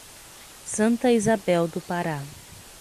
Santa Isabel do Pará